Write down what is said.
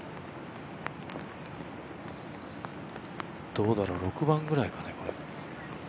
どうだろう、６番ぐらいかなこれ。